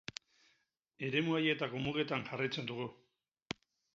Eremu haietako mugetan jarraitzen dugu.